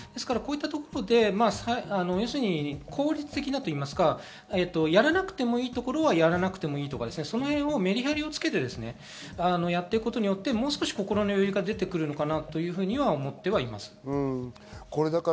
こういったところで要するに効率的なというか、やらなくてもいいところはやらなくていいとかメリハリをつけてやっていくことによって、もう少し心の余裕が出てくるのかなとは思っています。